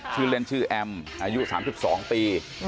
ชื่อเล่นชื่อแอมอายุ๓๒ปี